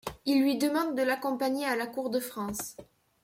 Il lui demande de l'accompagner à la cour de France.